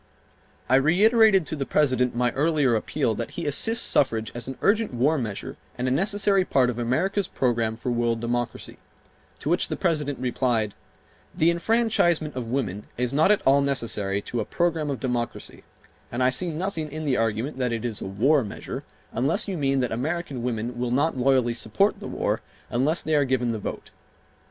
I reiterated to the President my earlier appeal that he assist suffrage as an urgent war measure and a necessary part of America's program for world democracy, to which the President replied: "The enfranchisement of women is not at all necessary to a program of democracy and I see nothing in the argument that it is a war measure unless you mean that American women will not loyally support the war unless they are given the vote."